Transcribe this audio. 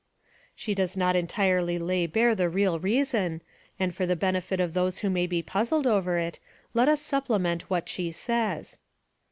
She does not en tirely lay bare the real reason; and for the benefit of those who may be puzzled over it let us supplement what she says.